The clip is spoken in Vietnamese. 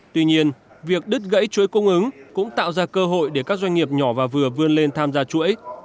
tuy nhiên việc đứt gãy chuỗi cung ứng cũng tạo ra cơ hội để các doanh nghiệp nhỏ và vừa vươn lên tham gia chuỗi